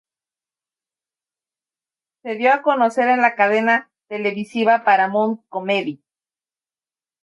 Se dio a conocer en la cadena televisiva Paramount Comedy.